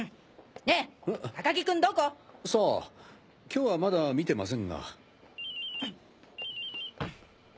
今日はまだ見てませんが。